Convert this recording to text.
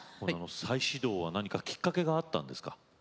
再始動は何かきっかけがあったんですか？